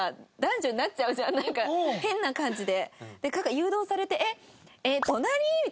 変な感じで。